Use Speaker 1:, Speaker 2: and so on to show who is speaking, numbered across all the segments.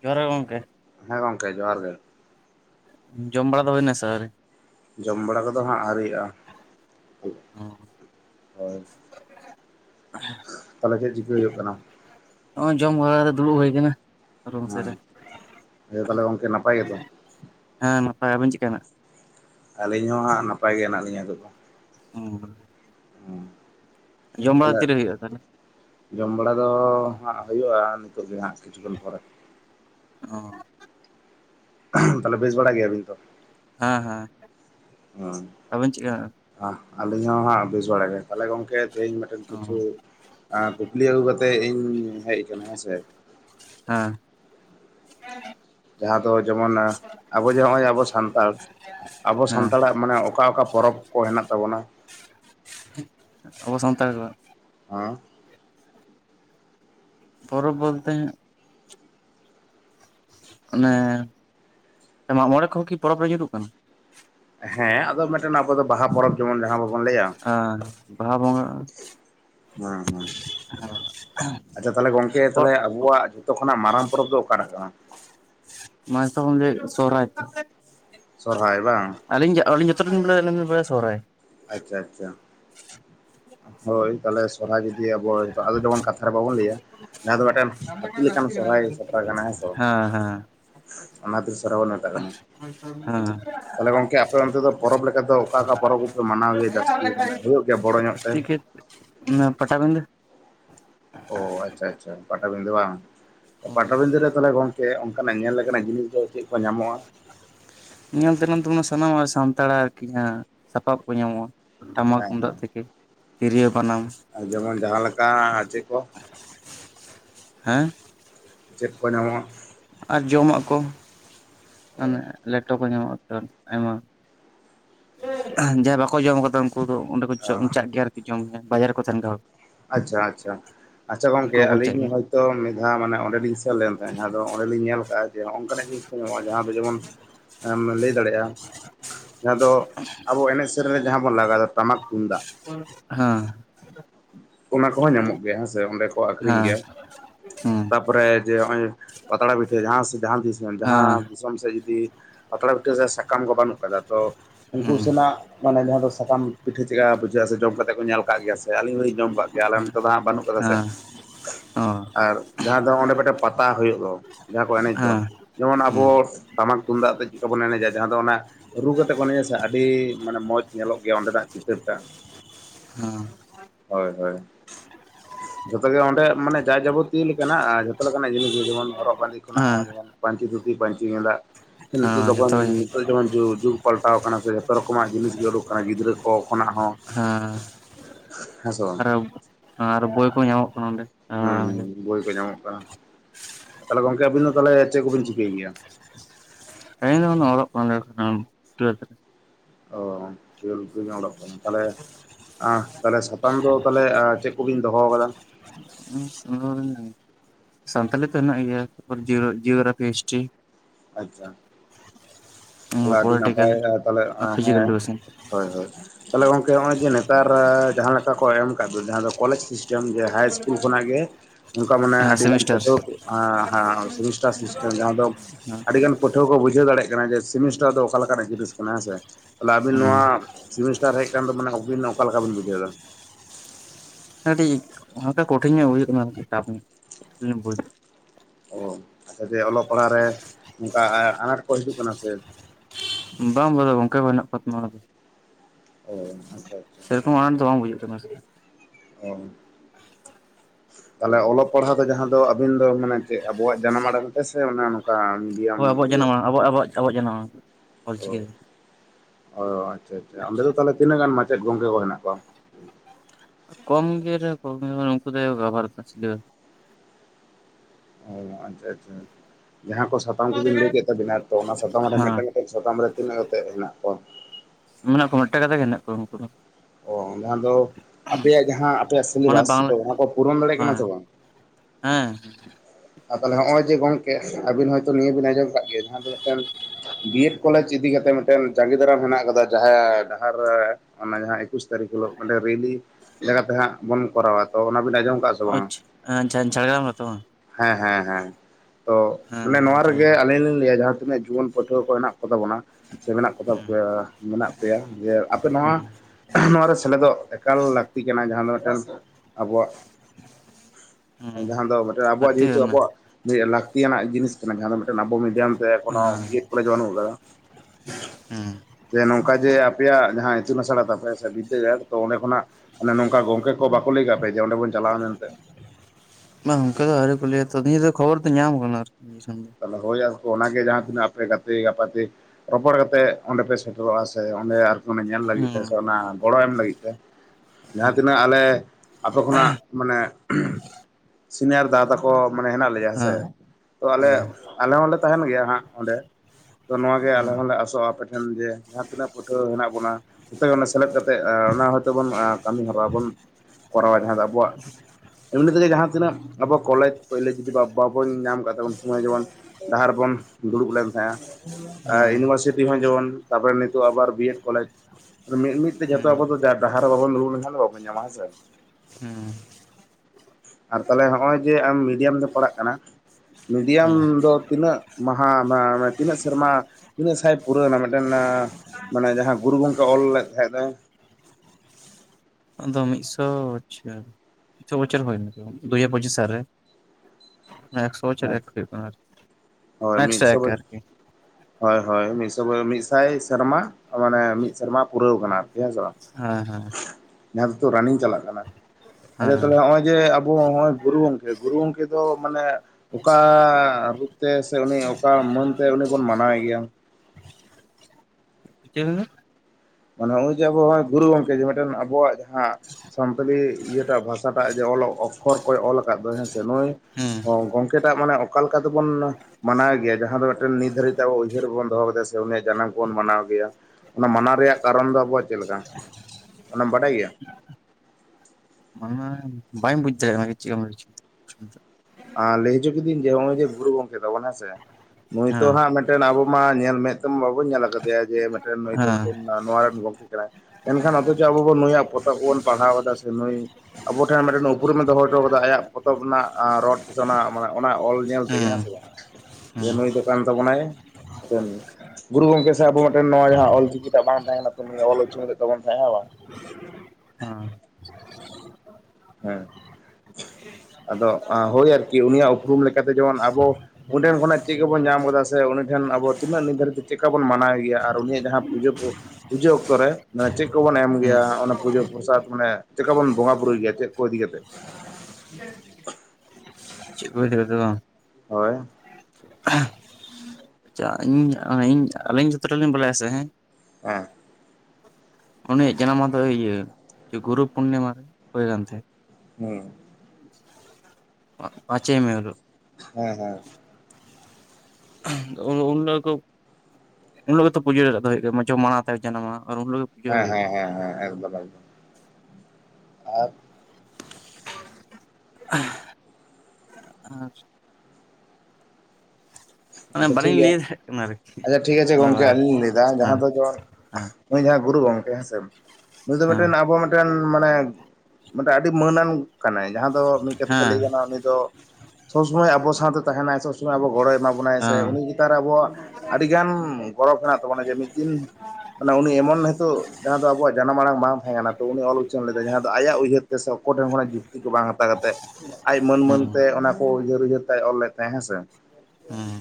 Speaker 1: ᱡᱚᱦᱟᱨ ᱜᱮ ᱜᱚᱝᱠᱮ᱾
Speaker 2: ᱦᱮᱸ ᱜᱚᱝᱠᱮ ᱡᱚᱦᱟᱨ ᱜᱮ ᱾
Speaker 1: ᱡᱚᱢ ᱵᱟᱲᱟ ᱫᱚ ᱦᱩᱭᱱᱟ ᱥᱮ ᱟᱹᱣᱨᱤ?
Speaker 2: ᱡᱚᱢ ᱵᱟᱲᱟ ᱠᱚᱫᱚ ᱦᱟᱸᱜ ᱟᱹᱣᱨᱤ ᱦᱩᱭᱩᱜᱼᱟ ᱦᱳᱭ᱾
Speaker 1: ᱮᱦᱮ
Speaker 2: ᱛᱟᱦᱚᱞᱮ ᱪᱮᱫ ᱪᱤᱠᱟᱹᱭ ᱦᱩᱭᱩᱜ ᱠᱟᱱᱟ?
Speaker 1: ᱱᱚᱸᱜᱼᱚᱭ ᱡᱚᱢ ᱵᱟᱨᱟ ᱠᱟᱛᱮ ᱫᱩᱲᱩᱵ ᱦᱩᱭ ᱠᱟᱱᱟ ᱾
Speaker 2: ᱦᱳᱭ ᱟᱫᱚ ᱛᱟᱦᱚᱞᱮ ᱜᱚᱝᱠᱮ ᱱᱟᱯᱟᱭ ᱜᱮᱛᱚ?
Speaker 1: ᱦᱮᱸ ᱱᱟᱯᱟᱭ ᱟᱵᱮᱱ ᱪᱤᱠᱟᱱ ᱦᱟᱸᱜ
Speaker 2: ᱟᱹᱞᱤᱧ ᱦᱚᱸ ᱦᱟᱸᱜ ᱱᱟᱯᱟᱭ ᱜᱮ ᱦᱮᱱᱟᱜ ᱞᱤᱧᱟᱹ ᱱᱤᱛᱚᱜ᱾
Speaker 1: ᱚᱸ ᱡᱚᱢ ᱵᱟᱲᱟ
Speaker 2: ᱛᱟᱦᱚᱞᱮ
Speaker 1: ᱛᱤᱨᱮ ᱦᱩᱭᱩᱜᱼᱟ ᱛᱟᱦᱚᱞᱮ?
Speaker 2: ᱡᱚᱢ ᱵᱟᱲᱟ ᱫᱚ ᱦᱟᱸᱜ ᱦᱩᱭᱩᱜᱼᱟ ᱱᱤᱛᱚᱜ ᱜᱮ ᱦᱟᱸᱜ ᱠᱤᱪᱷᱩ ᱠᱷᱚᱱ ᱯᱚᱨᱮ᱾
Speaker 1: ᱚᱸ
Speaker 2: ᱛᱟᱦᱚᱞᱮ ᱵᱮᱥ ᱵᱟᱲᱟ ᱜᱮᱭᱟᱵᱤᱱ ᱛᱚ?
Speaker 1: ᱦᱮᱸ ᱦᱮᱸ ᱾
Speaker 2: ᱦᱚᱸ᱾ ᱟᱹᱞᱤᱧ ᱦᱚᱸ ᱦᱟᱸᱜ ᱵᱮᱥ ᱵᱟᱲ ᱜᱮ ᱛᱟᱦᱚᱞᱮ ᱜᱚᱝᱠᱮ ᱛᱮᱦᱤᱧ ᱢᱤᱫᱴᱮᱱ
Speaker 1: ᱚ
Speaker 2: ᱠᱤᱪᱷᱩ ᱠᱩᱠᱞᱤ ᱟᱹᱜᱩ ᱠᱟ ᱠᱟᱛᱮᱫ ᱤᱧ ᱦᱮᱡ ᱟᱠᱟᱱᱟ ᱦᱮᱸ ᱥᱮ ᱾
Speaker 1: ᱦᱮᱸ᱾
Speaker 2: ᱡᱟᱦᱟᱸ ᱟᱫᱚ ᱡᱮᱢᱚᱱ ᱟᱵᱚ ᱡᱮ ᱦᱚᱜᱼᱚᱸᱭ ᱟᱵᱚ ᱥᱟᱱᱛᱟᱲ ᱟᱵᱚ
Speaker 1: ᱦᱮᱸ
Speaker 2: ᱥᱟᱱᱛᱟᱲᱟᱜ ᱢᱟᱱᱮ ᱚᱠᱟ ᱚᱠᱟ ᱯᱚᱨᱚᱵᱽ ᱠᱚ ᱦᱮᱱᱟᱜ ᱛᱟᱵᱚᱱᱟ?
Speaker 1: ᱟᱵᱚ ᱥᱟᱱᱛᱟᱲᱟᱼᱜ᱾
Speaker 2: ᱦᱮᱸ᱾
Speaker 1: ᱯᱚᱨᱚᱵ ᱵᱚᱞᱛᱮ ᱚᱱᱮ ᱢᱟᱜ ᱢᱚᱬᱮ ᱠᱚᱸᱦᱚ ᱠᱤ ᱯᱚᱨᱚᱵᱽ ᱨᱮ ᱧᱩᱨᱩᱜ ᱠᱟᱱᱟ?
Speaker 2: ᱦᱮᱸ ᱟᱫᱚ ᱢᱤᱫᱴᱮᱱ ᱟᱵᱚ ᱫᱚ ᱵᱟᱦᱟ ᱯᱚᱨᱚᱵᱽ ᱡᱮᱢᱚᱱ ᱡᱟᱦᱟᱸ ᱵᱟᱵᱚᱱ ᱞᱟᱹᱭᱟ᱾
Speaker 1: ᱮᱸ‌ᱵᱟᱦᱟ ᱵᱚᱸᱜᱟ᱾
Speaker 2: ᱦᱩᱸ ᱦᱩᱸ ᱟᱪᱪᱷᱟ ᱛᱟᱞᱦᱮ ᱜᱚᱝᱠᱮ
Speaker 1: ᱯᱚᱨ
Speaker 2: ᱛᱟᱞᱦᱮ ᱟᱵᱚᱣᱟᱜ ᱡᱷᱚᱛᱚ ᱠᱷᱚᱱᱟᱜ ᱢᱟᱨᱟᱝ ᱯᱚᱨᱚᱵᱽ ᱫᱚ ᱚᱠᱟᱴᱟᱜ ᱠᱟᱱᱟ?
Speaker 1: ᱢᱟ ᱛᱟᱵᱚᱱ ᱞᱟᱹᱭᱮᱫ ᱥᱚᱦᱨᱟᱭ᱾
Speaker 2: ᱥᱚᱨᱦᱟᱭ ᱵᱟᱝ?
Speaker 1: ᱟᱹᱞᱤᱧ ᱡᱮ ᱟᱹᱞᱤᱧ ᱡᱚᱛᱚᱴᱟᱞᱤᱧ ᱵᱟᱞᱟᱭᱟ [unintelligible] ᱥᱚᱦᱨᱟᱭ
Speaker 2: ᱟᱪᱪᱷᱟ ᱟᱪᱪᱷᱟ, ᱦᱳᱭ ᱛᱟᱦᱞᱮ ᱥᱚᱨᱦᱟᱭ ᱡᱩᱫᱤ ᱡᱮ ᱟᱵᱚᱣᱟᱜ ᱟᱫᱚ ᱡᱮᱵᱚᱱ ᱠᱟᱛᱷᱟ ᱨᱮ ᱵᱟᱵᱚᱱ ᱞᱟᱹᱭᱟ᱾ ᱡᱟᱦᱟᱸ ᱫᱚ ᱢᱤᱫᱴᱮᱱ
Speaker 1: ᱦᱮᱸ ᱦᱮᱸ
Speaker 2: ᱦᱟᱹᱛᱤ ᱞᱮᱠᱟᱱ ᱥᱚᱨᱦᱟᱭ ᱥᱮᱴᱮᱨ ᱠᱟᱱᱟ ᱦᱮᱸᱥᱮ᱾
Speaker 1: ᱦᱮᱸ
Speaker 2: ᱚᱱᱟᱛᱮ ᱥᱚᱨᱦᱟᱭ ᱵᱚᱱ ᱢᱮᱛᱟᱜ ᱠᱟᱱᱟ᱾ ᱛᱟᱦᱞᱮ ᱜᱚᱝᱠᱮ ᱟᱯᱮ ᱚᱱᱛᱮ ᱫᱚ ᱯᱚᱨᱚᱵᱽ ᱞᱮᱠᱟ ᱫᱚ ᱚᱠᱟ ᱚᱠᱟ ᱯᱚᱨᱚᱵᱽ ᱢᱟᱱᱟᱣ ᱜᱮᱭᱟ ᱡᱟᱹᱥᱛᱤ ᱢᱟᱱᱮ ᱦᱩᱭᱩᱜ ᱜᱮᱭᱟ ᱵᱚᱲᱚ ᱧᱚᱜ ᱛᱮ?
Speaker 1: ᱡᱟᱹᱥᱛᱤ ᱠᱟᱭ ᱚᱱᱟ ᱯᱟᱴᱟᱵᱤᱸᱫᱷᱟᱹ᱾
Speaker 2: ᱚ ᱟᱪᱪᱷᱟ ᱟᱪᱪᱷᱟ ᱯᱟᱴᱟᱵᱤᱺᱫᱷᱟᱹ ᱵᱟᱝ,
Speaker 1: ᱦᱳᱭ
Speaker 2: ᱯᱟᱴᱟᱵᱤᱸᱫᱷᱟᱹ ᱨᱮ ᱛᱟᱦᱞᱮ ᱜᱚᱝᱠᱮ ᱚᱝ ᱠᱟᱱᱟᱜ ᱧᱮᱞ ᱞᱮᱠᱟ ᱱᱟᱜ ᱡᱤᱱᱤᱥ ᱫᱚ ᱪᱮᱫ ᱠᱚ ᱧᱟᱢᱚᱜᱼᱟ?
Speaker 1: ᱧᱮᱞ ᱛᱮᱱᱟᱜ ᱫᱚ ᱚᱱᱟ ᱥᱟᱱᱟᱢᱟᱜ ᱥᱟᱱᱛᱟᱲᱟᱜ ᱟᱨᱠᱤ ᱡᱟᱦᱟᱸ ᱥᱟᱯᱟᱵ ᱠᱚ ᱧᱟᱢᱚᱜᱼᱟ᱾ ᱴᱟᱢᱟᱠ
Speaker 2: ᱦᱮᱸ
Speaker 1: ᱛᱩᱢᱫᱟᱹᱜ ᱛᱷᱮᱠᱮ, ᱛᱤᱨᱭᱳ ᱵᱟᱱᱟᱢ᱾
Speaker 2: ᱡᱮᱢᱚᱱ ᱡᱟᱦᱟᱸ ᱞᱮᱠᱟ ᱪᱮᱫ ᱠᱚ᱾
Speaker 1: ᱦᱮᱸ᱾
Speaker 2: ᱪᱮᱫ ᱠᱚ ᱧᱟᱢᱚᱜᱼᱟ?
Speaker 1: ᱟᱨ ᱡᱚᱢᱟᱜ ᱠᱚ, ᱢᱟᱱᱮ ᱞᱮᱴᱚ ᱠᱚ ᱧᱟᱢᱚᱜᱼᱟ ᱟᱹᱛᱷᱟᱹᱱ ᱟᱭᱢᱟ᱾ ᱡᱟᱦᱟᱸᱭ ᱵᱟᱠᱚ ᱡᱚᱢ ᱠᱟᱫᱟ ᱩᱱᱠᱩ ᱫᱚ ᱚᱸᱰᱮ ᱠᱚ ᱪᱟᱜ ᱜᱮᱭᱟ ᱟᱨᱠᱤ ᱡᱚᱢ ᱧᱩ ᱵᱟᱡᱟᱨ ᱨᱮᱠᱚ ᱛᱟᱦᱮᱱ ᱜᱨᱴᱮ ᱦᱚᱲ
Speaker 2: ᱟᱪᱪᱷᱟ, ᱟᱪᱪᱷᱟ, ᱟᱪᱪᱷᱟ
Speaker 1: ᱩᱱᱠᱩ
Speaker 2: ᱜᱚᱝᱠᱮ
Speaker 1: ᱦᱚᱸᱠᱚ ᱪᱟᱜ
Speaker 2: ᱟᱹᱞᱤᱧ
Speaker 1: ᱜᱮᱭᱟ
Speaker 2: ᱦᱚᱭ ᱛᱚ ᱢᱤᱫ ᱫᱷᱟᱣ ᱢᱟᱱᱮ ᱚᱸᱰᱮ ᱞᱤᱧ ᱥᱮᱱ ᱞᱮᱱ ᱛᱟᱦᱮᱸᱜᱼᱟ ᱟᱫᱚ ᱚᱸᱰᱮᱞᱤᱧ ᱧᱮᱞ ᱠᱟᱜᱼᱟ ᱡᱮ ᱱᱚᱜᱼᱚᱝ ᱠᱟᱱᱟᱜ ᱡᱤᱱᱤᱥ ᱠᱚ ᱧᱟᱢᱚᱜ ᱡᱟᱦᱟᱸ ᱫᱚ ᱡᱮᱢᱚᱱ ᱮᱢ ᱞᱟᱹᱭ ᱫᱟᱲᱮᱭᱟᱜᱼᱟ ᱡᱟᱦᱟᱸ ᱫᱚ ᱟᱵᱚ ᱮᱱᱮᱡ ᱥᱮᱨᱮᱧ ᱨᱮ ᱡᱟᱦᱟᱸ ᱵᱚᱱ ᱞᱟᱜᱟᱣᱟ ᱴᱟᱢᱟᱠ ᱛᱩᱢᱫᱟᱜ᱾
Speaker 1: ᱦᱮᱸ᱾
Speaker 2: ᱚᱱᱟ ᱠᱚᱦᱚᱸ
Speaker 1: ᱦᱩᱸ
Speaker 2: ᱧᱟᱢᱚᱜ ᱜᱮᱭᱟ ᱦᱮᱸᱥᱮ ᱚᱸᱰᱮ ᱠᱚ ᱟᱹᱠᱷᱨᱤᱧ
Speaker 1: ᱦᱮᱸ ᱦᱩᱸ ᱦᱮᱸ
Speaker 2: ᱜᱮᱭᱟ᱾ ᱯᱚᱨᱮ ᱡᱮ ᱦᱚᱸᱜ-ᱚᱭ ᱯᱟᱛᱲᱟ ᱯᱤᱴᱷᱟᱹ᱾ ᱡᱟᱦᱟᱸ ᱥᱮᱡ ᱡᱟᱦᱟᱸ ᱫᱤᱥᱚᱢ ᱡᱟᱦᱟᱸ ᱫᱤᱥᱚᱢ ᱥᱮᱫ ᱡᱩᱫᱤ ᱯᱟᱛᱲᱟ ᱯᱤᱴᱷᱟᱹ ᱥᱮ ᱥᱟᱠᱟᱢ ᱠᱚ ᱵᱟᱹᱱᱩᱜ ᱟᱠᱟᱫᱟ ᱛᱚ ᱩᱱᱠᱩ ᱥᱮᱱᱟᱜ ᱢᱟᱱᱮ ᱡᱟᱦᱟᱸ ᱫᱚ ᱥᱟᱠᱟᱢ ᱯᱤᱴᱷᱟᱹ ᱪᱮᱫᱠᱟ ᱵᱩᱡᱷᱟᱹᱜᱼᱟ ᱥᱮ ᱡᱚᱢ ᱠᱟᱛᱮ ᱠᱚ ᱧᱮᱞ ᱠᱟᱜ ᱜᱮᱭᱟ ᱥᱮ ᱟᱞᱤᱧ ᱦᱚᱞᱤᱧ ᱡᱚᱢ ᱠᱟᱜ ᱜᱮᱭᱟ᱾ ᱟᱞᱮ ᱚᱱ ᱛᱮᱫᱚ ᱦᱟᱸᱜ ᱵᱟᱹᱱᱩᱜ ᱠᱟᱫᱟ ᱥᱮ᱾
Speaker 1: ᱚ
Speaker 2: ᱟᱨ ᱡᱟᱦᱟᱸ ᱫᱚ ᱚᱸᱰᱮ ᱢᱤᱫᱴᱮᱡ ᱯᱟᱛᱟ ᱦᱩᱭᱩᱜ ᱫᱚ, ᱡᱟᱦᱟᱸ ᱠᱚ ᱮᱱᱮᱡ ᱫᱚ᱾
Speaker 1: ᱦᱮᱸ
Speaker 2: ᱡᱮᱢᱚᱱ ᱟᱵᱚ
Speaker 1: ᱦᱩᱸ
Speaker 2: ᱴᱟᱢᱟᱠ ᱛᱩᱢᱫᱟᱜ ᱟᱛᱮ ᱪᱮᱫᱠᱟ ᱵᱚᱱ ᱮᱱᱮᱡᱟ ᱡᱟᱦᱟᱸ ᱫᱚ ᱚᱱᱟ ᱨᱩ ᱠᱟᱛᱮᱜ ᱠᱚ ᱮᱱᱮᱡᱟ ᱥᱮ ᱟᱰᱤ ᱢᱟᱱᱮ ᱢᱚᱸᱡᱽ ᱧᱮᱞᱚᱜ ᱜᱮᱭᱟ ᱚᱸᱰᱮᱱᱟᱜ ᱪᱤᱛᱟᱹᱨ ᱴᱟᱜ
Speaker 1: ᱦᱮᱸ
Speaker 2: ᱦᱳᱭ᱾ ᱡᱚᱛᱚ ᱜᱮ ᱚᱸᱰᱮ ᱢᱟᱱᱮ ᱡᱟᱣ ᱡᱟᱵᱚᱛᱤᱭᱟᱹ ᱞᱮᱠᱟᱱᱟᱜ ᱟ ᱡᱷᱚᱛᱚ ᱞᱮᱠᱟᱱᱟᱜ ᱡᱤᱱᱤᱥ ᱜᱮ ᱡᱮᱢᱚᱱ ᱦᱚᱨᱚᱜ ᱵᱟᱸᱫᱮ ᱠᱷᱚᱱᱟᱜ
Speaker 1: ᱦᱮᱸ
Speaker 2: ᱦᱚᱸᱜ-ᱚᱭ ᱡᱮᱢᱚᱱ ᱯᱟᱹᱧᱪᱤ ᱫᱷᱩᱛᱤ ᱯᱟᱹᱧᱪᱤ ᱜᱮᱸᱫᱟᱜ᱾ ᱥᱮ ᱱᱤᱛᱚᱜ
Speaker 1: ᱦᱮᱸ
Speaker 2: ᱫᱚᱵᱚᱱ
Speaker 1: ᱡᱚᱛᱚ ᱦᱮᱸ
Speaker 2: ᱱᱤᱛᱚᱜ ᱡᱮᱠᱷᱚᱱ ᱡᱩ-ᱡᱩᱜᱽ ᱯᱟᱞᱴᱟᱣ ᱠᱟᱱᱟ ᱥᱮ ᱡᱷᱚᱛᱚ ᱨᱚᱠᱚᱢᱟᱜ ᱡᱤᱱᱤᱥ ᱜᱮ ᱚᱰᱳᱠ ᱠᱟᱱᱟ᱾ ᱜᱤᱫᱽᱨᱟᱹ ᱠᱚ ᱠᱷᱚᱱᱟᱜ ᱦᱚᱸ
Speaker 1: ᱦᱮᱸ᱾
Speaker 2: ᱦᱮᱸ ᱥᱮ ᱵᱟᱝ?
Speaker 1: ᱟᱨ ᱵᱳᱭ ᱠᱚᱦᱚᱸ ᱧᱟᱢᱚᱜ ᱠᱟᱱᱟ ᱚᱱᱰᱮ᱾
Speaker 2: ᱦᱮᱸ ᱦᱮᱸ ᱵᱳᱭ ᱠᱚ ᱧᱟᱢᱚᱜ ᱠᱟᱱᱟ᱾ ᱛᱟᱦᱞᱮ ᱜᱚᱝᱠᱮ ᱟᱵᱤᱱ ᱫᱚ ᱛᱟᱦᱞᱮ ᱪᱮᱫ ᱠᱚᱵᱤᱱ ᱪᱤᱠᱟᱹᱭ ᱜᱮᱭᱟ?
Speaker 1: ᱟᱞᱤᱧ ᱫᱚ ᱮᱠᱷᱚᱱ ᱚᱞᱚᱜ ᱠᱟᱱᱟ [unintelligible] [unintelligible]
Speaker 2: ᱚ ᱴᱩᱭᱮᱞᱵᱷ ᱨᱮᱱᱤᱱ ᱚᱞᱚᱜ ᱠᱟᱱᱚ ᱛᱟᱞᱦᱮ ᱟ ᱛᱟᱦᱚᱞᱮ ᱥᱟᱛᱟᱢ ᱫᱚ ᱛᱟᱦᱚᱞᱮ ᱟ ᱪᱮᱫ ᱠᱚᱵᱤᱱ ᱫᱚᱦᱚᱣ ᱠᱟᱫᱟ᱾
Speaker 1: [unintelligible] ᱥᱟᱱᱛᱟᱞᱤ ᱛᱚ ᱦᱮᱱᱟᱜ ᱜᱮᱭᱟ ᱛᱟᱨᱯᱚᱨ ᱡᱤᱭᱳ ᱡᱤᱭᱳᱜᱨᱟᱯᱷᱤ, ᱦᱤᱥᱴᱨᱤ᱾
Speaker 2: ᱟᱪᱪᱷᱟ᱾ ᱛᱟᱦᱚᱞᱮ ᱟᱹᱰᱤ ᱱᱟᱯᱟᱭ
Speaker 1: ᱯᱚᱞᱤᱴᱤᱠᱮᱞ
Speaker 2: ᱟᱨ ᱛᱟᱞᱦᱮ
Speaker 1: ᱯᱷᱤᱡᱤᱠᱮᱞ
Speaker 2: ᱦᱮᱸ
Speaker 1: ᱮᱰᱩᱠᱮᱥᱚᱱ
Speaker 2: ᱦᱳᱭ ᱦᱳᱭ᱾ ᱛᱟᱞᱦᱮ ᱜᱚᱢᱠᱮ ᱦᱚᱸᱜ-ᱚᱭ ᱡᱮ ᱱᱮᱛᱟᱨ ᱡᱟᱦᱟᱸ ᱞᱮᱠᱟ ᱠᱚ ᱮᱢ ᱠᱟᱜ ᱫᱚ ᱡᱟᱦᱟᱸ ᱫᱚ ᱠᱚᱞᱮᱡᱽ ᱥᱤᱥᱴᱮᱢ ᱡᱮ ᱦᱟᱭ ᱤᱥᱠᱩᱞ ᱠᱷᱚᱱᱟᱜ ᱜᱮ ᱚᱱᱠᱟ ᱢᱟᱱᱮ
Speaker 1: ᱦᱮᱸ
Speaker 2: ᱟᱹᱰᱤᱜᱟᱱ
Speaker 1: ᱥᱮᱢᱤᱥᱴᱟᱨ
Speaker 2: ᱯᱟᱹᱴᱷᱩᱭᱟ ᱠᱚ ᱦᱮᱸ ᱦᱮᱸ ᱟᱫᱚ ᱥᱢᱤᱥᱴᱟᱨ ᱥᱤᱥᱴᱮᱢ ᱡᱟᱦᱟᱸ ᱫᱚ ᱟᱹᱰᱤᱜᱟᱱ ᱯᱟᱹᱴᱷᱩᱣᱟᱹ ᱠᱚ ᱵᱩᱡᱷᱟᱹᱣ ᱫᱟᱲᱮᱭᱟᱜ ᱠᱟᱱᱟ ᱡᱮ ᱥᱮᱢᱤᱥᱴᱟᱨ ᱫᱚ ᱚᱠᱟ ᱞᱮᱠᱟᱱᱟᱜ ᱡᱤᱱᱤᱥ ᱠᱟᱱᱟ ᱦᱮᱸ ᱥᱮ᱾ ᱛᱟᱦᱚᱞᱮ ᱟᱵᱤᱱ
Speaker 1: ᱦᱩᱸ
Speaker 2: ᱱᱚᱣᱟ ᱥᱤᱢᱤᱥᱴᱟᱨ ᱦᱮᱡ ᱟᱠᱟᱱ ᱫᱚ ᱢᱟᱱᱮ ᱟᱵᱤᱱ ᱚᱠᱟᱮ ᱞᱮᱠᱟ ᱵᱤᱱ ᱵᱩᱡᱷᱟᱹᱣᱫᱟ?
Speaker 1: ᱦᱮᱸ ᱠᱟᱹᱴᱤᱡ ᱦᱟᱞᱠᱟ ᱠᱚᱴᱷᱤᱱ ᱧᱚᱜ ᱱᱩᱡᱷᱟᱹᱜ ᱠᱟᱱᱟ [unintelligible]
Speaker 2: ᱚ ᱟᱪᱪᱷᱟ ᱡᱮ ᱚᱞᱚᱜ ᱯᱟᱲᱦᱟᱜ ᱨᱮ ᱱᱚᱝᱠᱟ ᱟ-ᱟᱱᱟᱴ ᱠᱚ ᱦᱤᱡᱩᱜ ᱠᱟᱱᱟ ᱥᱮ
Speaker 1: ᱵᱟᱝ [unintelligible] ᱜᱚᱝᱠᱮ ᱱᱟᱱᱩᱜ ᱠᱚᱣᱟ ᱛᱚ ᱚᱱᱟᱜᱮ᱾
Speaker 2: ᱚ ᱟᱪᱪᱷᱟ ᱟᱪᱪᱷᱟ᱾
Speaker 1: ᱥᱮᱨᱚᱠᱚᱢ ᱟᱱᱟᱱᱴ ᱫᱚ ᱵᱟᱝ ᱵᱩᱡᱩᱜ ᱠᱟᱱᱟ
Speaker 2: ᱚ᱾ ᱛᱟᱞᱦᱮ ᱚᱞᱚᱜ ᱯᱟᱲᱦᱟᱣ ᱫᱚ ᱡᱟᱦᱟᱸ ᱫᱚ ᱟᱵᱤᱱ ᱫᱚ ᱢᱟᱱᱮ ᱪᱮᱫ ᱟᱵᱚᱣᱟᱜ ᱡᱟᱱᱟᱢ ᱟᱲᱟᱝ ᱛᱮ ᱥᱮ ᱢᱟᱱᱮ ᱱᱚᱝᱠᱟ ᱢᱤᱰᱤᱭᱟᱢ
Speaker 1: ᱦᱳᱭ ᱟᱵᱚᱣᱟᱜ
Speaker 2: ᱤᱭᱟᱹ
Speaker 1: ᱡᱟᱱᱟᱢ ᱟᱲᱟᱝ ᱟᱵᱚᱣᱟᱜ ᱟᱵᱚᱣᱟᱜ ᱟᱵᱚᱣᱟᱜ ᱡᱟᱱᱟᱢ ᱟᱲᱟᱝ᱾
Speaker 2: ᱚ᱾
Speaker 1: ᱚᱞᱪᱤᱠᱤ
Speaker 2: ᱚ ᱟᱪᱪᱷᱟ ᱟᱪᱪᱷᱟ ᱚᱸᱰᱮ ᱫᱚ ᱛᱟᱦᱚᱞᱮ ᱛᱤᱱᱟᱹᱜ ᱜᱟᱱ ᱢᱟᱪᱮᱫ ᱜᱚᱝᱠᱮ ᱠᱚ ᱦᱮᱱᱟᱜ ᱠᱚᱣᱟ?
Speaker 1: ᱠᱚᱢ ᱜᱮ ᱨᱮ ᱠᱚᱢ ᱜᱮ ᱩᱱᱠᱩ ᱫᱚ [unintelligible]
Speaker 2: ᱚ ᱟᱪᱪᱷᱟ ᱟᱪᱪᱷᱟ ᱡᱟᱦᱟᱸ ᱠᱚ ᱥᱟᱛᱟᱢ ᱠᱚᱵᱤᱱ ᱞᱟᱹᱭ ᱠᱮᱫ ᱛᱟᱵᱤᱱᱟ ᱥᱨ ᱛᱚ ᱚᱱᱟ ᱥᱟᱛᱟᱢ ᱨᱮ
Speaker 1: ᱦᱮᱸ
Speaker 2: ᱢᱮᱴᱮᱱ ᱥᱟᱛᱟᱢ ᱨᱮ ᱛᱤᱱᱟᱹᱜ ᱠ ᱠᱟᱛᱮ ᱦᱮᱱᱟᱜ ᱠᱚᱣᱟ?
Speaker 1: ᱢᱮᱱᱟᱜ ᱠᱚᱣᱟ ᱢᱤᱫᱴᱮᱱ ᱠᱟᱛᱮ ᱜᱮ ᱦᱮᱱᱟᱜ ᱠᱚᱣᱟ ᱩᱱᱠᱩ ᱫᱚ᱾
Speaker 2: ᱚ ᱡᱟᱦᱟᱸ ᱫᱚ ᱟᱯᱮᱭᱟᱜ ᱡᱟᱦᱟᱸ ᱟᱯᱮᱭᱟᱜ
Speaker 1: ᱢᱟᱱᱮ
Speaker 2: ᱥᱤᱞᱮᱵᱟᱥ ᱛᱚ
Speaker 1: ᱵᱟᱝᱞᱟ
Speaker 2: ᱚᱱᱟ ᱠᱚ ᱯᱩᱨᱚᱱ ᱫᱟᱲᱮᱭᱟᱜ ᱠᱟᱱᱟ ᱥᱮ ᱵᱟᱝ?
Speaker 1: ᱦᱮᱸ ᱦᱮᱸ᱾
Speaker 2: ᱟᱨ ᱛᱟᱦᱚᱞᱮ ᱦᱚᱸᱜ-ᱚᱭ ᱡᱮ ᱜᱚᱝᱠᱮ ᱟᱵᱤᱱ ᱦᱚᱭᱛᱚ ᱱᱤᱭᱟᱹ ᱵᱤᱱ ᱟᱸᱡᱚᱢ ᱠᱟᱜ ᱜᱮᱭᱟ ᱡᱟᱦᱟᱸ ᱫᱚ ᱢᱤᱫᱴᱮᱱ ᱵᱤᱮᱰ ᱠᱚᱞᱮᱡᱽ ᱤᱫᱤᱠᱟᱛᱮᱜ ᱢᱤᱫᱴᱮᱱ ᱡᱟᱸᱜᱮ ᱫᱟᱨᱟᱢ ᱦᱮᱱᱟᱜ ᱟᱠᱟᱫᱟ ᱡᱟᱦᱟᱸ ᱰᱟᱦᱟᱨ ᱨᱮ ᱚᱱᱟ ᱡᱟᱦᱟᱸ ᱮᱠᱩᱥ ᱛᱟᱹᱨᱤᱠᱷ ᱦᱤᱞᱳᱜ ᱚᱸᱰᱮ ᱨᱮᱞᱤᱤ ᱞᱮᱠᱟᱛᱮ ᱛᱮ ᱦᱟᱸᱜ ᱵᱚᱱ ᱠᱚᱨᱟᱣᱟ ᱛᱚ ᱚᱱᱟᱵᱤᱱ ᱟᱸᱡᱚᱢ ᱠᱟᱫ
Speaker 1: ᱟᱪᱪᱷᱟ ᱟᱪᱪᱷᱟ ᱡᱷᱟᱲᱜᱨᱟᱢ ᱨᱮᱛᱚ ᱵᱟᱝ?
Speaker 2: ᱦᱮᱸ ᱦᱮᱸ ᱦᱮᱸ ᱛᱚ
Speaker 1: ᱦᱮᱸ ᱦᱮᱸ
Speaker 2: ᱢᱟᱱᱮ ᱱᱚᱣᱟ
Speaker 1: ᱟᱸᱡᱚᱢ
Speaker 2: ᱨᱮᱜᱮ
Speaker 1: ᱠᱟᱫᱟ
Speaker 2: ᱟᱞᱤᱧ ᱞᱤᱧ ᱞᱟᱹᱭᱟ ᱡᱟᱦᱟᱸ ᱛᱤᱱᱟᱹᱜ ᱡᱩᱣᱟᱹᱱ ᱯᱟᱹᱴᱷᱩᱣᱟᱹ ᱠᱚ ᱢᱮᱱᱟᱜ ᱠᱚᱛᱟ ᱵᱚᱱᱟ ᱥᱮ ᱢᱮᱱᱟᱜ ᱠᱚᱛᱟ
Speaker 1: ᱦᱮᱸ
Speaker 2: ᱯᱮᱭᱟ, ᱢᱮᱱᱟᱜ ᱯᱮᱭᱟ ᱡᱮ ᱟᱯᱮ ᱱᱚᱣᱟ
Speaker 1: ᱦᱮᱸ
Speaker 2: ᱱᱚᱣᱟᱨᱮ ᱥᱮᱞᱮᱫᱚᱜ ᱮᱠᱟᱞ ᱞᱟᱹᱠᱛᱤ ᱠᱟᱱᱟ ᱡᱟᱦᱟᱸ ᱫᱚ ᱢᱤᱫᱴᱮᱱ ᱟᱵᱚᱣᱟᱜ,
Speaker 1: ᱦᱮᱸ
Speaker 2: ᱡᱟᱦᱟᱸ ᱫᱚ ᱢᱤᱫᱴᱮᱱ ᱟᱵᱚᱣᱟᱜ
Speaker 1: ᱞᱟᱹᱠᱛᱤ
Speaker 2: ᱡᱮᱦᱮᱛᱩ
Speaker 1: ᱠᱟᱱᱟ
Speaker 2: ᱟᱵᱚᱣᱟᱜ ᱞᱟᱹᱠᱛᱤᱭᱟᱱᱟᱜ ᱡᱤᱱᱤᱥ ᱠᱟᱱᱟ ᱡᱟᱦᱟᱸ ᱫᱚ ᱢᱤᱫᱴᱮᱱ ᱟᱵᱚ ᱢᱤᱰᱤᱭᱟᱢ ᱛᱮ ᱠᱳᱱᱳ
Speaker 1: ᱦᱮᱸ
Speaker 2: ᱵᱤ ᱮᱰ ᱠᱚᱞᱮ ᱵᱟᱹᱱᱩᱜ ᱟᱠᱟᱫᱟ᱾
Speaker 1: ᱦᱮᱸ
Speaker 2: ᱡᱮ ᱱᱚᱝᱠᱟ ᱡᱮ ᱟᱯᱮᱭᱟᱜ ᱡᱟᱦᱟᱸ ᱤᱛᱩᱱ ᱟᱥᱲᱟ ᱛᱟᱯᱮ ᱥᱮ ᱵᱤᱫᱽᱫᱟᱹᱜᱟᱲ ᱛᱚ ᱚᱸᱰᱮ ᱠᱷᱚᱱᱟᱜ ᱱᱚᱝᱠᱟ ᱜᱚᱝᱠᱮ ᱠᱚ ᱵᱟᱠᱚ ᱞᱟᱹᱭᱠᱟᱫ ᱯᱮᱭᱟ ᱡᱮ ᱚᱸᱰᱮ ᱵᱚᱱ ᱪᱟᱞᱟᱣ-ᱟ ᱢᱮᱱᱛᱮ?
Speaker 1: ᱵᱟᱝ ᱚᱱᱠᱟ ᱫᱚ ᱟᱣᱨᱤ ᱠᱚ ᱞᱟᱹᱭᱟ ᱛᱚ [unintelligible] ᱠᱷᱚᱵᱚᱨ ᱫᱚ ᱧᱟᱢ ᱠᱟᱱᱟᱠ ᱫᱚ
Speaker 2: ᱛᱟᱦᱚᱞᱮ ᱦᱳᱭ [unintelligible] ᱚᱱᱟᱜᱮ ᱡᱟᱦᱟᱸ ᱛᱤᱱᱟᱹᱜ ᱟᱯᱮ ᱜᱟᱛᱮ ᱜᱟᱯᱟᱛᱮ ᱨᱚᱯᱚᱲ ᱠᱟᱛᱮᱫ ᱚᱸᱰᱮᱯᱮ ᱥᱮᱴᱮᱨᱚᱜ-ᱟ ᱥᱮ ᱚᱸᱰᱮ [unintelligible] ᱧᱮᱞ ᱞᱟᱹᱜᱤᱫ ᱛᱮ
Speaker 1: ᱦᱮᱸ
Speaker 2: ᱥᱮ ᱚᱱᱟ ᱜᱚᱲᱚ ᱮᱢ ᱞᱟᱹᱜᱤᱫ ᱛᱮ ᱡᱟᱦᱟᱸ ᱛᱤᱱᱟᱹᱜ ᱟᱞᱮ ᱟᱯᱮ ᱠᱷᱚᱱᱟᱜ ᱢᱟᱱᱮ ᱥᱤᱱᱤᱭᱟᱨ ᱫᱟᱫᱟ ᱛᱟᱠᱚ ᱢᱟᱱᱮ ᱦᱮᱱᱟᱜ ᱞᱮᱭᱟ ᱦᱮᱸᱥᱮ
Speaker 1: ᱦᱮᱸ ᱦᱮᱸ
Speaker 2: ᱛᱚ ᱟᱞᱮ
Speaker 1: ᱦᱮᱸ
Speaker 2: ᱟᱞᱮ ᱦᱚᱸᱞᱮ ᱛᱟᱦᱮᱱ ᱜᱮᱭᱟ ᱦᱟᱸᱜ ᱚᱸᱰᱮ ᱛᱚ ᱱᱚᱣᱟ ᱜᱮ ᱟᱞᱮ ᱦᱚᱸᱞᱮ ᱟᱥᱚᱜ-ᱟ ᱟᱯᱮ ᱴᱷᱮᱱ ᱡᱮ ᱡᱟᱦᱟᱸ ᱛᱤᱱᱟᱹᱜ ᱯᱟᱹᱴᱷᱣᱟᱹ ᱦᱮᱱᱟᱜ ᱵᱚᱱᱟ ᱡᱚᱛᱚ ᱜᱮ ᱚᱸᱰᱮ ᱥᱮᱞᱮᱫ ᱠᱟᱛᱮᱜ ᱚᱱᱟ ᱦᱚᱭᱛᱳᱵᱚᱱ ᱠᱟᱹᱢᱤ ᱦᱚᱨᱟ ᱵᱚᱱ ᱠᱚᱨᱟᱣᱟ ᱡᱟᱦᱟ ᱫᱚ ᱟᱵᱚᱣᱟᱜ ᱮᱢᱱᱤ ᱛᱮᱜᱮ ᱡᱟᱦᱟᱸ ᱛᱤᱱᱟᱹᱜ ᱟᱵᱚ ᱠᱚᱞᱮᱡᱽ ᱯᱳᱭᱞᱳ ᱡᱩᱫᱤ ᱵᱟᱵᱚᱱ ᱧᱟᱢ ᱟᱠᱟᱫ ᱛᱟᱵᱚᱱ ᱩᱱ ᱥᱚᱢᱚᱭ ᱡᱮᱢᱚᱱ ᱰᱟᱦᱟᱨ ᱨᱮᱵᱚᱱ ᱫᱩᱲᱩᱵ ᱞᱮᱱ ᱛᱟᱦᱮᱸᱜ-ᱟ ᱟᱨ ᱤᱭᱩᱱᱤᱵᱷᱟᱨᱥᱤᱴᱤ ᱡᱮᱢᱚᱱ ᱛᱟᱨᱯᱚᱨᱮ ᱱᱤᱛᱚᱜ ᱟᱵᱟᱨ ᱵᱤ ᱮᱰ ᱠᱚᱞᱮᱡᱽ ᱢᱤᱫ ᱢᱤᱫ ᱛᱮ ᱡᱚᱛᱚ ᱟᱵᱚ
Speaker 1: ᱦᱮᱸ
Speaker 2: ᱫᱚ ᱰᱟᱦᱟᱨ ᱵᱟᱵᱚᱱ ᱫᱩᱲᱩᱵ ᱞᱮᱱᱠᱷᱟᱱ ᱵᱟᱵᱚᱱ ᱧᱟᱢᱟ ᱦᱮᱸ ᱥᱮ᱾
Speaker 1: ᱦᱩᱸ
Speaker 2: ᱟᱨ ᱛᱟᱦᱚᱞᱮ ᱱᱚᱜ-ᱚᱭ ᱡᱮ ᱟᱢ ᱢᱤᱰᱤᱭᱟᱢ ᱛᱮ ᱯᱟᱲᱦᱟᱜ ᱠᱟᱱᱟ ᱢᱤᱰᱤᱭᱟᱢ
Speaker 1: ᱦᱮᱸ ᱦᱮᱸ
Speaker 2: ᱫᱚ ᱛᱤᱱᱟᱹᱜ ᱢᱟᱦᱟ [unintelligible] ᱛᱤᱱᱟᱹᱜ ᱥᱮᱨᱢᱟ ᱛᱤᱱᱟᱹᱜ ᱥᱟᱭ ᱯᱩᱨᱟᱹᱣᱱᱟ ᱢᱤᱫᱴᱮᱱ ᱢᱟᱱᱮ ᱡᱟᱦᱟᱸ ᱜᱩᱨᱩ ᱜᱚᱝᱠᱮ ᱚᱞ ᱞᱮᱫ ᱛᱟᱦᱮᱸᱫ ᱫᱚᱭ?
Speaker 1: ᱟᱫᱚ ᱢᱤᱫᱥᱚ ᱵᱚᱪᱷᱚᱨ ᱢᱤᱫ ᱥᱚ ᱵᱚᱪᱷᱚᱨ ᱦᱩᱭᱱᱟ ᱛᱚ ᱫᱩ ᱦᱟᱡᱟᱨ ᱯᱚᱸᱪᱤᱥ ᱥᱟᱞ ᱨᱮ᱾ ᱮᱠᱥᱚ ᱵᱚᱪᱷᱚᱨ
Speaker 2: ᱦᱮᱸ
Speaker 1: ᱮᱠ ᱦᱩᱭᱩᱜ ᱠᱟᱱᱟ ᱟᱨᱠᱤ
Speaker 2: ᱦᱳᱭ
Speaker 1: ᱮᱠᱥᱚ
Speaker 2: ᱢᱤᱫᱥᱚ
Speaker 1: ᱮᱠ
Speaker 2: ᱵᱚᱪᱷᱚᱨ
Speaker 1: ᱟᱨᱠᱤ᱾
Speaker 2: ᱦᱳᱭ ᱦᱳᱭ ᱢᱤᱫᱥᱚ ᱢᱤᱫᱥᱟᱭ ᱥᱮᱨᱢᱟ ᱢᱟᱱᱮ ᱢᱤᱫ ᱥᱮᱨᱢᱟ ᱯᱩᱨᱟᱹᱣ ᱠᱟᱱᱟ ᱟᱨᱠᱤ᱾ ᱦᱮᱸ ᱥᱮ ᱵᱟᱝ,
Speaker 1: ᱦᱮᱸ ᱦᱮᱸ
Speaker 2: ᱡᱟᱸᱦᱟ ᱫᱚ ᱱᱤᱛᱚᱜ ᱨᱟᱱᱤᱝ ᱪᱟᱞᱟᱜ ᱠᱟᱱᱟ᱾ ᱟᱪᱪᱷᱟ
Speaker 1: ᱦᱮᱸ
Speaker 2: ᱛᱟᱦᱚᱞᱮ ᱱᱚᱜ-ᱚᱭ ᱡᱮ ᱟᱵᱚ ᱱᱚᱜ-ᱚᱭ ᱜᱩᱨᱩ ᱜᱚᱝᱠᱮ ᱜᱩᱨᱩ ᱜᱚᱝᱠᱮ ᱫᱚ ᱢᱟᱱᱮ ᱚᱠᱟ ᱨᱩᱯ ᱛᱮ ᱥᱮ ᱩᱱᱤ ᱚᱠᱟ ᱢᱟᱹᱱ ᱛᱮ ᱩᱱᱤ ᱵᱚᱱ ᱢᱟᱱᱟᱣᱮ ᱜᱮᱭᱟ?
Speaker 1: ᱪᱮᱫ ᱵᱤᱱ [unintelligible]
Speaker 2: ᱢᱟᱱᱮ ᱱᱩᱜ-ᱚᱭ ᱡᱮ ᱟᱵᱚ [unintelligible] ᱜᱩᱨᱩ ᱜᱚᱝᱠᱮ ᱢᱤᱫᱴᱮᱱ ᱟᱵᱚᱣᱟᱜ ᱡᱟᱦᱟᱸ ᱥᱟᱱᱛᱟᱞᱤ ᱤᱭᱟᱹᱴᱟᱜ ᱵᱷᱟᱥᱟᱴᱟᱜ ᱡᱮ ᱚᱞ ᱚᱠᱠᱷᱚᱨ ᱠᱚᱭ ᱚᱞ ᱟᱠᱟᱫ ᱫᱚ ᱦᱮᱸᱥᱮ ᱱᱩᱭ
Speaker 1: ᱦᱮᱸ
Speaker 2: ᱚ ᱜᱚᱝᱠᱮ ᱴᱟᱜ ᱢᱟᱱᱮ ᱚᱠᱟᱞᱮᱠᱟ ᱛᱮᱵᱚᱱ ᱢᱟᱱᱟᱣ ᱜᱮᱭᱟ ᱡᱟᱦᱟᱸ ᱫᱚ ᱢᱤᱫᱴᱮᱱ ᱱᱤᱛ ᱫᱷᱵᱤᱡ ᱛᱮ ᱟᱵᱚ ᱩᱭᱦᱟᱹᱨ ᱨᱮᱵᱚᱱ ᱫᱚᱦᱚ ᱠᱟᱫᱮᱭᱟ? ᱥᱮ ᱩᱱᱤᱭᱟᱜ ᱡᱟᱱᱟᱢ ᱠᱚᱵᱚᱱ ᱢᱟᱱᱟᱣ ᱜᱮᱭᱟ ᱚᱱᱟ ᱢᱟᱱᱟᱣ ᱨᱮᱭᱟᱜ ᱠᱟᱨᱚᱱ ᱫᱚ ᱟᱵᱚᱣᱟᱜ ᱪᱮᱫ ᱞᱮᱠᱟ ᱚᱱᱟᱢ ᱵᱟᱰᱟᱭ ᱜᱮᱭᱟ?
Speaker 1: ᱢᱟᱱᱮ ᱵᱟᱹᱧ ᱵᱩᱡ ᱫᱟᱲᱮᱭᱟᱜ ᱠᱟᱱᱟ ᱪᱮᱫ ᱞᱟᱹᱭ ᱚᱪᱭᱮᱫᱟ᱾
Speaker 2: ᱞᱟᱹᱭ ᱦᱚᱪᱚ ᱠᱤᱫᱤᱧ ᱡᱮ ᱱᱚᱜ-ᱚᱭ ᱡᱮ ᱜᱩᱨᱩ ᱜᱚᱝᱠᱮ ᱛᱟᱵᱚᱱ ᱦᱮᱸᱥᱮ ᱱᱩᱭ ᱛᱚ
Speaker 1: ᱦᱮᱸ
Speaker 2: ᱦᱟᱸᱜ ᱢᱤᱫᱴᱮᱱ ᱟᱵᱚ ᱢᱟ ᱧᱮᱞ ᱢᱮᱫ ᱛᱮᱢᱟ ᱵᱟᱵᱚᱱ ᱧᱮᱞ ᱟᱠᱟᱫᱮᱭᱟ ᱡᱮ ᱢᱤᱫᱴᱮᱱ ᱱᱩᱭ ᱫᱚ ᱢᱤᱫᱴᱮᱱ
Speaker 1: ᱦᱮᱸ
Speaker 2: ᱱᱚᱣᱟ ᱨᱮᱱ ᱜᱚᱝᱠᱮ ᱠᱟᱱᱟᱭ ᱢᱮᱱᱠᱷᱟᱱ ᱚᱛᱷᱚᱪᱚ ᱟᱵᱚ ᱵᱚᱱ ᱱᱩᱭᱟᱜ ᱯᱚᱛᱚᱵ ᱠᱚᱵᱚᱱ ᱯᱟᱲᱦᱟᱣ ᱮᱫᱟ ᱥᱮ ᱱᱩᱭ ᱟᱵᱚ ᱴᱷᱮᱱ ᱢᱤᱫᱴᱮᱱ ᱩᱯᱨᱩᱢ ᱮ ᱫᱚᱦᱚ ᱦᱚᱴᱚ ᱠᱟᱫᱟ ᱟᱭᱟᱜ ᱯᱚᱛᱚᱵ ᱨᱮᱱᱟᱜ ᱨᱚᱲ ᱚᱱᱟ ᱢᱟᱱᱮ ᱚᱱᱟ ᱚᱞ ᱧᱮᱞ ᱛᱮᱜᱮ ᱦᱮᱸ ᱥᱮ ᱵᱟᱝ ᱡᱮ
Speaker 1: ᱦᱮᱸ
Speaker 2: ᱱᱩᱭ ᱫᱚ ᱠᱟᱱ ᱛᱟᱵᱚᱱᱟᱭ ᱜᱩᱨᱩ ᱜᱚᱝᱠᱮ ᱥᱮ ᱟᱵᱚ ᱢᱤᱫᱴᱮᱱ ᱱᱚᱣᱟ ᱡᱟᱦᱟᱸ ᱚᱞ ᱪᱤᱠᱤᱴᱟᱜ ᱵᱟᱝ ᱛᱟᱦᱮᱸ ᱠᱟᱱᱟ ᱛᱚ ᱱᱩᱭ ᱚᱞ ᱩᱪᱷᱟᱹᱱ ᱞᱮᱫ ᱛᱟᱵᱚᱱ ᱛᱟᱦᱮᱸᱜ ᱦᱮᱸ ᱵᱟᱝ?
Speaker 1: ᱦᱚᱸ᱾
Speaker 2: ᱦᱮᱸ ᱟᱫᱚ ᱦᱳᱭ ᱟᱨᱠᱤ ᱩᱱᱤᱭᱟᱜ ᱩᱯᱨᱩᱢ ᱞᱮᱠᱟᱛᱮ ᱡᱮᱢᱚᱱ ᱟᱵᱚ᱾ ᱩᱱ ᱴᱷᱮᱱ ᱠᱷᱚᱱᱟᱜ ᱪᱮᱜ ᱜᱮᱵᱚᱱ ᱧᱟᱢ ᱠᱟᱫᱟ ᱥᱮ ᱩᱱᱤ ᱴᱷᱮᱱ ᱟᱵᱚ ᱛᱤᱱᱟᱹᱜ ᱱᱤᱛ ᱫᱷᱟᱹᱨᱤᱡ ᱛᱮ ᱪᱮᱜᱠᱟ ᱵᱚᱱ ᱢᱟᱱᱟᱣᱮ ᱜᱮᱭᱟ ᱟᱨ ᱩᱱᱤᱭᱟᱜ ᱡᱟᱦᱟᱸ ᱯᱩᱡᱟᱹ ᱠᱚ᱾ ᱯᱩᱡᱟᱹ ᱚᱠᱛᱚ ᱨᱮ ᱢᱟᱱᱮ ᱪᱮᱜ ᱠᱚᱵᱚᱱ ᱮᱢ ᱜᱮᱭᱟ ᱚᱱᱟ ᱯᱩᱡᱟᱹ ᱯᱨᱚᱥᱟᱫ ᱢᱟᱱᱮ ᱪᱮᱜᱠᱟ ᱵᱚᱱ ᱵᱚᱸᱜᱟ ᱵᱩᱨᱩᱭ ᱜᱮᱭᱟ ᱪᱮᱫ᱾ ᱠᱚ ᱤᱫᱤ ᱠᱟᱛᱮᱜ᱾
Speaker 1: [unintelligible]
Speaker 2: ᱦᱳᱭ᱾
Speaker 1: ᱟᱪᱷᱟ ᱤᱧ ᱤᱧ ᱟᱹᱞᱤᱧ ᱡᱚᱛᱚᱴᱟ ᱞᱤᱧ ᱵᱟᱞᱟᱭᱟ ᱥᱮ ᱦᱮᱸ᱾
Speaker 2: ᱦᱮ᱾
Speaker 1: ᱩᱱᱤᱭᱟᱜ ᱡᱟᱱᱟᱢ ᱢᱟᱦᱟ ᱫᱚ ᱤᱭᱟᱹ ᱜᱩᱨᱩ ᱯᱩᱨᱱᱤᱢᱟ ᱨᱮ ᱦᱳᱭ ᱠᱟᱱ ᱛᱟᱦᱮ᱾
Speaker 2: ᱦᱩᱸ᱾
Speaker 1: ᱯᱟᱸᱪᱮ ᱢᱮ ᱦᱤᱞᱳᱜ᱾
Speaker 2: ᱦᱮᱸ ᱦᱮᱸ᱾
Speaker 1: ᱩᱱ ᱩᱱ ᱦᱤᱞᱟᱹᱜ ᱜᱮᱠᱩ᱾ ᱩᱱ ᱦᱤᱞᱳᱜ ᱜᱮᱛᱚ ᱯᱩᱡᱟᱹ ᱴᱟᱜ ᱫᱚ ᱦᱳᱭᱳᱜ ᱜᱮᱭᱟ ᱢᱟᱪᱚ ᱢᱟᱱᱟ ᱛᱟᱭ ᱡᱟᱱᱟᱢ ᱢᱟᱦᱟ ᱟᱨ ᱩᱱ ᱦᱤᱞᱳᱜ ᱜᱤ
Speaker 2: ᱦᱮᱸ ᱦᱮᱸ ᱦᱮᱸ ᱦᱮᱸ ᱮᱠᱫᱚᱢ ᱮᱠᱫᱚᱢ᱾ ᱟᱨ᱾
Speaker 1: ᱟᱨ᱾ ᱢᱟᱱᱮ
Speaker 2: ᱟᱪᱪᱷᱟ ᱴᱷᱤᱠ
Speaker 1: ᱵᱟᱞᱤᱧ
Speaker 2: ᱜᱮᱭᱟ
Speaker 1: ᱞᱟᱹᱭ ᱫᱟᱲᱮᱜ ᱠᱟᱱᱟ᱾ ᱟᱨᱠᱤ
Speaker 2: ᱟᱪᱪᱷᱟ ᱴᱷᱤᱠ ᱜᱟᱪᱷᱮ
Speaker 1: ᱚᱱᱟ
Speaker 2: ᱜᱚᱢᱠᱮ
Speaker 1: ᱵᱟᱨᱮ ᱦᱮᱸ
Speaker 2: ᱟᱞᱤᱧ ᱞᱤᱧ ᱞᱟᱹᱭᱫᱟ
Speaker 1: ᱦᱮᱸ
Speaker 2: ᱡᱟᱦᱟᱸ ᱫᱚ ᱡᱮᱢᱚᱱ
Speaker 1: ᱦᱮᱸ
Speaker 2: ᱱᱩᱭ ᱡᱟᱦᱟᱸ ᱜᱩᱨᱩ ᱜᱚᱢᱠᱮ ᱦᱮᱸᱥᱮ᱾ ᱱᱩᱭ ᱫᱚ
Speaker 1: ᱦᱮᱸ
Speaker 2: ᱢᱮᱴᱮᱱ ᱟᱵᱚ ᱢᱮᱴᱮᱱ ᱢᱟᱱᱮ ᱢᱮᱴᱮᱜ ᱟᱰᱤ ᱢᱟᱹᱱ ᱟᱱ ᱠᱟᱱᱟᱭ ᱡᱟᱦᱟᱸ ᱫᱚ ᱢᱤᱫ᱾ ᱠᱟᱛᱷᱟᱛᱮ
Speaker 1: ᱦᱮᱸ
Speaker 2: ᱞᱟᱹᱭ ᱜᱟᱱ-ᱟ ᱱᱩᱭ ᱫᱚ ᱥᱚᱵ ᱥᱚᱢᱚᱭ ᱟᱵᱚ ᱥᱟᱶᱛᱮ ᱛᱟᱦᱮᱱᱟᱭ ᱥᱚᱵ ᱥᱚᱢᱚᱭ ᱟᱵᱚ ᱜᱚᱲᱚᱭ ᱮᱢᱟ ᱵᱚᱱᱟᱭ᱾ ᱪᱮᱛᱟᱱᱨᱮ ᱟᱵᱚᱣᱟᱜ ᱟᱵᱚᱣᱟᱜ ᱟᱰᱤᱜᱟᱱ ᱜᱚᱨᱚᱵᱽ ᱦᱮᱱᱟᱜ ᱛᱟᱵᱚᱱᱟ ᱡᱮ ᱢᱤᱫ ᱫᱤᱱ᱾ ᱚᱱᱮ ᱩᱱᱤ ᱮᱢᱚᱱ ᱦᱤᱛᱳᱜ ᱡᱟᱦᱟᱸ ᱫᱚ ᱟᱵᱚᱣᱟᱜ ᱡᱟᱱᱟᱢ ᱟᱲᱟᱝ ᱵᱟᱝ ᱛᱟᱦᱮᱸ ᱠᱟᱱᱟ ᱛᱚ ᱩᱱᱤ ᱚᱞ ᱩᱪᱷᱟᱹᱱ ᱞᱮᱫᱟᱭ ᱡᱟᱦᱟᱸ ᱫᱚ ᱟᱭᱟᱜ ᱩᱭᱦᱟᱹᱨ᱾ ᱥᱮ ᱥᱚᱠᱠᱚ ᱴᱷᱮᱱ ᱠᱷᱚᱱᱟᱜ ᱡᱩᱠᱛᱤ ᱠᱚ ᱵᱟᱝ ᱦᱟᱛᱟ ᱠᱟᱛᱮᱜ᱾ ᱟᱡ ᱢᱟᱹᱱ ᱢᱟᱹᱱ
Speaker 1: ᱦᱮᱸ
Speaker 2: ᱛᱮ ᱚᱱᱟ ᱠᱚ ᱩᱭᱦᱟᱹᱨ ᱩᱭᱦᱟᱹᱨ ᱛᱮᱭ ᱚᱞ ᱞᱮᱫ ᱛᱟᱦᱮ ᱦᱮᱸᱥᱮ᱾
Speaker 1: ᱦᱩᱸ᱾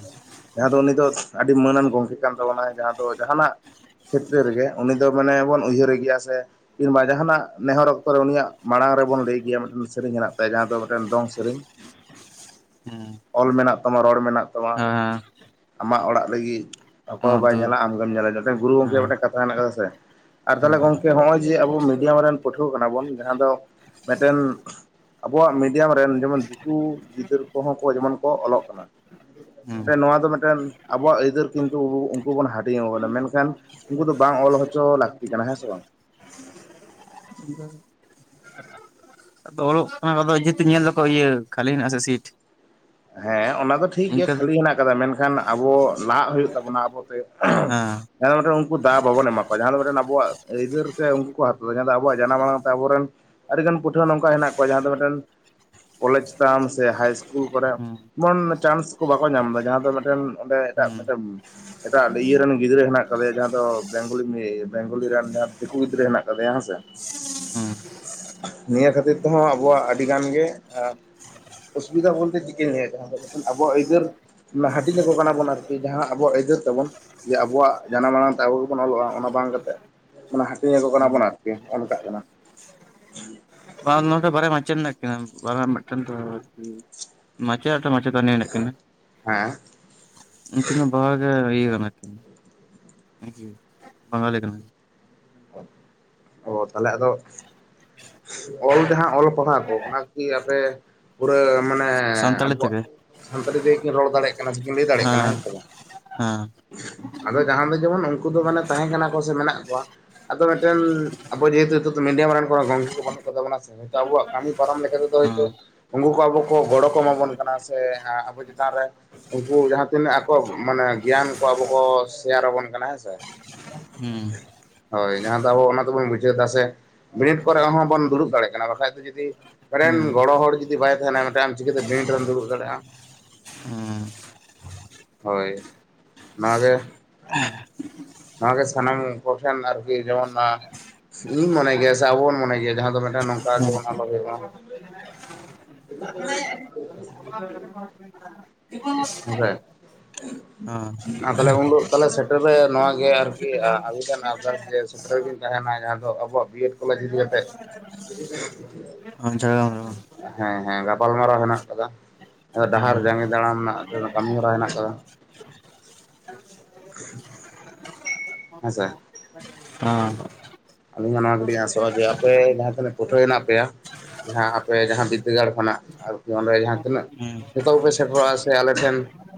Speaker 2: ᱡᱟᱦᱟᱸ ᱫᱚ ᱩᱱᱤ ᱫᱚ ᱟᱰᱤ ᱢᱟᱹᱱ ᱟᱱ ᱜᱚᱢᱠᱮ ᱠᱟᱱ ᱛᱟᱵᱚᱱᱟᱭ ᱡᱟᱦᱟᱸ ᱫᱚ ᱡᱟᱦᱟᱸᱱᱟᱜ᱾ ᱠᱷᱮᱛᱨᱮ ᱨᱮᱜᱮ ᱩᱱᱤ ᱫᱚ ᱢᱟᱱᱮ ᱵᱚᱱ ᱩᱭᱦᱟᱹᱨᱮ ᱜᱮᱭᱟ ᱥᱮ ᱠᱤᱝᱵᱟ ᱡᱟᱦᱟᱸᱱᱟᱜ ᱱᱮᱦᱚᱨ ᱚᱠᱛᱚ ᱨᱮ ᱩᱱᱤᱭᱟᱜ᱾ ᱢᱟᱲᱟᱝ ᱨᱮᱵᱚᱱ ᱞᱟᱹᱭ ᱜᱮᱭᱟ ᱢᱮᱜᱴᱮᱱ ᱥᱮᱨᱮᱧ ᱦᱮᱱᱟᱜ ᱛᱟᱭᱟ ᱡᱟᱦᱟᱸ ᱫᱚ ᱢᱮᱴᱮᱱ ᱫᱚᱝ ᱥᱮᱨᱮᱧ᱾
Speaker 1: ᱦᱩᱸ᱾
Speaker 2: ᱚᱞ ᱢᱮᱱᱟᱜ ᱛᱟᱢᱟ ᱨᱚᱲ ᱢᱮᱱᱟᱜ᱾ ᱛᱟᱢᱟ
Speaker 1: ᱦᱳᱭ ᱦᱚ᱾
Speaker 2: ᱟᱢᱟᱜ ᱚᱲᱟᱜ ᱞᱟᱹᱜᱤᱜ ᱚᱠᱚᱭ ᱦᱚᱸ
Speaker 1: ᱟᱢᱟᱜ
Speaker 2: ᱵᱟᱭ
Speaker 1: ᱫᱩᱣᱟᱹᱨ
Speaker 2: ᱧᱮᱞᱟ ᱟᱢᱜᱮᱢ ᱧᱮᱞᱟ᱾ [unintelligible] ᱜᱩᱨᱩ ᱜᱚᱝᱠᱮᱭᱟᱜ
Speaker 1: ᱦᱮᱸ
Speaker 2: ᱢᱮᱜᱴᱮᱱ ᱠᱟᱛᱷᱟ ᱦᱮᱱᱟᱜ ᱠᱟᱫᱟ ᱥᱮ᱾ ᱟᱨ ᱛᱟᱦᱞᱮ
Speaker 1: ᱦᱮᱸ
Speaker 2: ᱜᱚᱝᱠᱮ ᱱᱚᱜ-ᱚᱭ ᱡᱮ ᱟᱵᱚ ᱢᱤᱰᱤᱭᱟᱢ ᱨᱮᱱ ᱯᱟᱹᱴᱷᱩᱣᱟᱹ ᱠᱟᱱᱟ ᱵᱚᱱ ᱡᱟᱦᱟᱸ ᱫᱚ ᱢᱮᱴᱮᱱ᱾ ᱟᱵᱚᱣᱟᱜ ᱢᱤᱰᱤᱭᱟᱢ ᱨᱮᱱ ᱡᱮᱢᱚᱱ ᱫᱤᱠᱩ ᱜᱤᱫᱟᱹᱨ ᱠᱚᱦᱚᱸ ᱠᱚ ᱡᱮᱢᱚᱱ ᱠᱚ ᱚᱞᱚᱜ ᱠᱟᱱᱟ᱾
Speaker 1: ᱦᱮᱸ
Speaker 2: ᱢᱮᱴᱮᱱ ᱱᱚᱣᱟ ᱫᱚ ᱢᱮᱴᱮᱱ ᱟᱵᱚᱣᱟᱜ ᱟᱹᱭᱫᱟᱹᱨ ᱠᱤᱱᱛᱩ ᱩᱱᱠᱩ ᱵᱚᱱ ᱦᱟᱴᱤᱧ ᱟᱠᱚ ᱠᱟᱱᱟ ᱢᱮᱱᱠᱷᱟᱱ᱾ ᱩᱱᱠᱩ ᱫᱚ ᱵᱟᱝ ᱚᱞ ᱦᱚᱪᱚ ᱞᱟᱠᱛᱤ ᱠᱟᱱᱟ ᱦᱮᱸ ᱥᱮ ᱵᱟᱝ᱾
Speaker 1: [unintelligible] ᱟᱫᱚ ᱚᱞᱚᱜ ᱠᱟᱱᱟ ᱠᱚ ᱟᱫᱚ ᱡᱮᱦᱮᱛᱩ ᱧᱮᱞ ᱫᱟᱠᱚ ᱤᱭᱟᱹ ᱠᱷᱟᱞᱤ ᱦᱮᱱᱟᱜ-ᱟ ᱥᱮ ᱥᱤᱴ᱾
Speaker 2: ᱦᱮᱸ ᱚᱱᱟ ᱫᱚ ᱴᱷᱤᱠ ᱜᱮ
Speaker 1: ᱤᱱᱠᱟᱹ ᱫᱚ
Speaker 2: ᱠᱷᱟᱞᱤ ᱦᱮᱱᱟᱜ ᱠᱟᱫᱟ ᱢᱮᱱᱠᱷᱟᱱ ᱟᱵᱚ ᱞᱟᱦᱟᱜ ᱦᱳᱭᱳᱜ ᱛᱟᱵᱚᱱᱟ ᱟᱵᱚ ᱛᱮ᱾
Speaker 1: ᱦᱮᱸ᱾
Speaker 2: ᱡᱟᱦᱟᱸ ᱫᱚ ᱢᱮᱴᱮᱱ ᱩᱱᱠᱩ ᱫᱟᱣ ᱵᱟᱵᱚᱱ ᱮᱢᱟ ᱠᱚᱣᱟ ᱡᱟᱦᱟᱸ ᱫᱚ ᱢᱮᱴᱮᱱ ᱟᱵᱚᱣᱟᱜ ᱟᱹᱭᱫᱟᱹᱨ ᱛᱮ ᱩᱱᱠᱩ ᱠᱚ ᱦᱟᱛᱟ ᱫᱟ ᱧᱮᱞ ᱫᱟ ᱟᱵᱚᱣᱟᱜ ᱡᱟᱱᱟᱢ ᱟᱲᱟᱝ ᱛᱮ ᱟᱵᱚᱨᱮᱱ᱾ ᱟᱰᱤᱜᱟᱱ ᱯᱟᱹᱴᱷᱩᱣᱟᱹ ᱱᱚᱝᱠᱟ ᱦᱮᱱᱟᱜ ᱠᱚᱣᱟ ᱡᱟᱦᱟᱸ ᱫᱚ ᱢᱮᱴᱮᱱ ᱠᱚᱞᱮᱡᱽ ᱛᱟᱢ ᱥᱮ ᱦᱟᱭ ᱤᱥᱠᱩᱞ ᱠᱚᱨᱮ᱾
Speaker 1: ᱦᱮᱸ
Speaker 2: ᱡᱮᱢᱚᱱ ᱪᱟᱱᱥ ᱠᱚ ᱵᱟᱠᱚ ᱧᱟᱢ ᱫᱟ ᱡᱟᱦᱟᱸ ᱫᱚ ᱢᱮᱴᱮᱱ ᱚᱸᱰᱮ ᱮᱴᱟᱜ
Speaker 1: ᱦᱩᱸ
Speaker 2: ᱢᱮᱴᱮᱱ᱾ ᱮᱴᱟᱜ ᱤᱭᱟᱹ ᱨᱮᱱ ᱜᱤᱫᱽᱨᱟᱹ ᱦᱮᱱᱟᱜ ᱟᱠᱟᱫᱮᱭᱟ, ᱡᱟᱦᱟᱸ ᱫᱚ ᱵᱮᱝᱜᱚᱞᱤ ᱵᱮᱝᱜᱚᱞᱤ ᱨᱮᱱ ᱡᱟᱦᱟᱸ ᱫᱤᱠᱩ ᱜᱤᱫᱽᱨᱟᱹ ᱦᱮᱱᱟᱜ ᱟᱠᱟᱫᱮᱭᱟ ᱦᱮᱸᱥᱮ ᱾
Speaker 1: ᱦᱩᱸ [inaudible]
Speaker 2: ᱱᱤᱭᱟᱹ ᱠᱷᱟᱹᱛᱤᱨ ᱛᱮᱦᱚᱸ ᱟᱵᱚᱣᱟᱜ ᱟᱹᱰᱤ ᱜᱟᱱ ᱜᱮ ᱚᱥᱩᱵᱤᱫᱟ ᱵᱚᱞᱛᱮ [unintelligible] ᱞᱟᱹᱭᱫᱟ [unintelligible] ᱟᱵᱚᱣᱟᱜ ᱟᱹᱭᱫᱟᱹᱨ ᱦᱟᱹᱴᱤᱧ ᱟᱠᱚ ᱠᱟᱱᱟ ᱵᱚᱱ ᱟᱨᱠᱤ ᱡᱟᱦᱟᱸ ᱟᱵᱚᱣᱟᱜ ᱟᱹᱭᱫᱟᱹᱨ ᱛᱟᱵᱚᱱ ᱡᱮ ᱟᱵᱚᱣᱟᱜ ᱡᱟᱱᱟᱢ ᱟᱲᱟᱝ ᱛᱮ ᱟᱵᱚ ᱜᱮᱵᱚᱱ ᱚᱞᱚᱜᱼᱟ ᱚᱱᱟ ᱵᱟᱝ ᱠᱟᱛᱮ ᱢᱟᱱᱮ ᱦᱟᱹᱴᱤᱧ ᱟᱠᱚ ᱠᱟᱱᱟ
Speaker 1: ᱦᱩᱸ
Speaker 2: ᱵᱚᱱ ᱟᱨᱠᱤ ᱱᱚᱜ- ᱱᱚᱝᱠᱟᱜ ᱠᱟᱱᱟ ᱾
Speaker 1: [unintelligible] ᱵᱟᱝ ᱱᱚᱰᱮ ᱵᱟᱨᱭᱟ ᱢᱟᱪᱮᱛ ᱦᱮᱱᱟᱜ ᱠᱤᱱᱟ [unintelligible] ᱢᱮᱫᱴᱮᱱ ᱫᱚ ᱟᱨᱠᱤ ᱢᱟᱪᱮᱫ ᱟᱨ ᱢᱮᱫᱴᱮᱡ ᱢᱟᱪᱮᱛᱟᱱᱤ ᱦᱮᱱᱟᱜ ᱠᱤᱱᱟᱹ ᱾
Speaker 2: ᱦᱮᱸ
Speaker 1: ᱩᱱᱠᱤᱱ ᱦᱚᱸ ᱵᱟᱜ ᱦᱚᱲ ᱜᱮ ᱤᱭᱟᱹ ᱠᱟᱱᱟ ᱠᱤᱱ ᱾ [unintelligible] ᱵᱟᱝᱜᱟᱞᱤ ᱠᱟᱱᱟᱭ ᱾
Speaker 2: ᱚ ᱛᱟᱦᱚᱞᱮ ᱟᱫᱚ ᱚᱞ ᱡᱟᱦᱟᱸ ᱚᱞ ᱯᱟᱲᱦᱟᱣ ᱠᱚ ᱚᱱᱟ ᱠᱚ ᱠᱤ ᱟᱯᱮ ᱯᱩᱨᱟᱹ ᱢᱟᱱᱮ
Speaker 1: ᱥᱟᱱᱛᱟᱲᱤ
Speaker 2: ᱟᱵᱚᱣᱟᱜ
Speaker 1: ᱛᱮᱜᱮ
Speaker 2: ᱥᱟᱱᱛᱟᱞᱤ ᱛᱮᱜᱮ ᱠᱤᱱ ᱨᱚᱲ ᱫᱟᱲᱮᱜ ᱠᱟᱱᱟ ᱥᱮ ᱠᱤᱱ ᱞᱟᱹᱭ ᱫᱟᱲᱮᱭᱟᱜ ᱠᱟᱱᱟ ᱦᱮᱸ ᱥᱮ ᱵᱟᱝ?
Speaker 1: ᱦᱮᱸ
Speaker 2: ᱟᱫᱚ ᱡᱟᱦᱟᱸ ᱫᱚ ᱡᱮᱢᱚᱱ ᱩᱱᱠᱩ ᱫᱚ ᱢᱟᱱᱮ ᱛᱟᱦᱮᱸ ᱠᱟᱱᱟ ᱠᱚ ᱥᱮ ᱢᱮᱱᱟᱜ ᱠᱚᱣᱟ ᱾ ᱟᱫᱚ ᱢᱤᱫᱴᱮᱱ ᱟᱵᱚ ᱡᱮᱦᱮᱛᱩ ᱱᱤᱛᱚᱜ ᱫᱚ ᱢᱤᱰᱤᱭᱟᱢ ᱨᱮᱱ ᱠᱚ ᱜᱚᱝᱠᱮ ᱠᱚ ᱵᱟᱹᱱᱩᱜ ᱠᱚᱛᱟ ᱵᱚᱱᱟ ᱥᱮ ᱾ ᱦᱚᱭᱛᱚ ᱟᱵᱚᱣᱟᱜ ᱠᱟᱹᱢᱤ ᱯᱟᱨᱚᱢ ᱞᱮᱠᱟ ᱛᱮᱫᱚ
Speaker 1: ᱦᱮᱸ
Speaker 2: ᱦᱚᱭᱛᱚ ᱩᱱᱠᱩ ᱠᱚ ᱟᱵᱚ ᱠᱚ ᱜᱚᱲᱚ ᱠᱚ ᱮᱢᱟ ᱵᱚᱱ ᱠᱟᱱᱟ, ᱥᱮ ᱟᱵᱚ ᱪᱮᱛᱟᱱ ᱨᱮ ᱩᱱᱠᱩ ᱡᱟᱦᱟᱸ ᱛᱤᱱᱟᱹᱜ ᱟᱠᱚ ᱢᱟᱱᱮ ᱜᱮᱭᱟᱱ ᱠᱚ ᱟᱵᱚ ᱠᱚ ᱥᱮᱭᱟᱨ ᱟᱵᱚᱱ ᱠᱟᱱᱟ ᱦᱮᱸᱥᱮ ᱾
Speaker 1: ᱦᱩᱸ ᱾
Speaker 2: ᱦᱳᱭ ᱡᱟᱦᱟᱸ ᱫᱚ ᱟᱵᱚ ᱚᱱᱟ ᱛᱮᱵᱚᱱ ᱵᱩᱡᱷᱟᱹᱣ ᱮᱫᱟ ᱥᱮ ᱵᱤᱱᱤᱴ ᱠᱚᱨᱮ ᱦᱚᱸᱵᱚᱱ ᱫᱩᱲᱩᱵ ᱫᱟᱲᱮᱭᱟᱜ ᱠᱟᱱᱟ, ᱵᱟᱠᱷᱟᱡ ᱫᱚ ᱡᱩᱫᱤ ᱢᱤᱫᱴᱮᱱ
Speaker 1: ᱦᱩᱸ
Speaker 2: ᱜᱚᱲᱚ ᱦᱚᱲ ᱡᱩᱫᱤ ᱵᱟᱭ ᱛᱟᱦᱮᱸᱱᱟᱭ ᱢᱤᱫᱴᱮᱱ ᱟᱢ ᱪᱤᱠᱟᱹᱛᱮ ᱵᱤᱱᱤᱰ ᱨᱮᱢ ᱫᱩᱲᱩᱵ ᱫᱟᱲᱮᱜᱼᱟ?
Speaker 1: ᱦᱩᱸ
Speaker 2: ᱦᱳᱭ, ᱱᱚᱣᱟ ᱜᱮ
Speaker 1: [unintelligible]
Speaker 2: ᱱᱚᱣᱟ ᱜᱮ ᱥᱟᱱᱟᱢ ᱠᱚᱴᱷᱮᱱ ᱟᱨᱠᱤ ᱡᱮᱢᱚᱱ. ᱟᱸ ᱤᱧ ᱢᱚᱱᱮ ᱜᱮᱭᱟ ᱥᱮ ᱟᱵᱚ ᱵᱚᱱ ᱢᱚᱱᱮ ᱜᱮᱭᱟ, ᱡᱟᱦᱟᱸ ᱫᱚ ᱢᱤᱫᱴᱮᱱ ᱱᱚᱝᱠᱟ
Speaker 1: ᱦᱮᱸ
Speaker 2: ᱡᱮᱢᱚᱱ
Speaker 1: ᱦᱮᱸ
Speaker 2: ᱟᱞᱚ ᱦᱩᱭᱩᱜ ᱢᱟ ᱾ [unintelligible]
Speaker 1: [unintelligible] [unintelligible]
Speaker 2: ᱦᱮᱸᱥᱮ? [unintelligible] ᱟᱨ ᱛᱟᱦᱚᱞᱮ ᱩᱱ ᱦᱤᱞᱳ ᱛᱟᱦᱚᱞᱮ ᱥᱮᱴᱮᱨ ᱨᱮ ᱱᱚᱣᱟ ᱜᱮ ᱟᱨᱠᱤ ᱟᱹᱵᱤᱱ ᱴᱷᱮᱱ ᱟᱨᱫᱟᱥ ᱡᱮ ᱨᱮ ᱵᱤᱱ ᱛᱟᱦᱮᱱᱟ ᱡᱟᱦᱟᱸ ᱫᱚ ᱟᱵᱚᱣᱟᱜ ᱵᱤ ᱭᱮᱰ ᱠᱚᱞᱮᱡᱽ ᱤᱫᱤ ᱠᱟᱛᱮ [inaudible]
Speaker 1: ᱡᱷᱟᱲᱜᱟᱨᱟᱢ ᱨᱮ ᱵᱟᱝ?
Speaker 2: ᱦᱮᱸ ᱦᱮᱸ ᱜᱟᱯᱟᱞᱢᱟᱨᱟᱣ ᱦᱮᱱᱟᱜ ᱟᱠᱟᱫᱟ,
Speaker 1: ᱦᱮᱸ
Speaker 2: ᱰᱟᱦᱟᱨ ᱡᱟᱸᱜᱮ ᱫᱟᱲᱟᱢ ᱨᱮᱱᱟᱜ ᱠᱟᱹᱢᱤ ᱦᱚᱨᱟ ᱦᱮᱱᱟᱜ ᱠᱟᱫᱟ, ᱦᱮᱸᱥᱮ ᱾
Speaker 1: ᱟᱸ [unintelligible]
Speaker 2: ᱟᱹᱞᱤᱧ ᱦᱚᱸ ᱱᱚᱣᱟ ᱜᱮᱞᱤᱧ ᱟᱥᱚᱜᱼᱟ ᱡᱮ ᱟᱯᱮ ᱡᱟᱦᱟᱸ ᱛᱤᱱᱟᱹᱜ ᱯᱟᱹᱴᱷᱩᱣᱟᱹ ᱦᱮᱱᱟᱜ ᱯᱮᱭᱟ ᱡᱟᱦᱟᱸ ᱟᱯᱮ ᱡᱟᱦᱟᱸ ᱵᱤᱫᱫᱟᱹᱜᱟᱲ ᱠᱷᱚᱱᱟᱜ ᱟᱨᱠᱤ ᱚᱸᱰᱮ ᱡᱟᱦᱟᱸ ᱛᱤᱱᱟᱹᱜ
Speaker 1: ᱦᱮᱸ
Speaker 2: ᱡᱚᱛᱚ ᱠᱚᱯᱮ ᱥᱮᱴᱮᱨᱚᱜ-ᱟ ᱥᱮ ᱟᱞᱮ ᱴᱷᱮᱱ